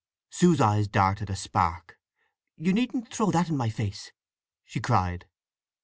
Sue's eyes darted a spark. "You needn't throw that in my face!" she cried.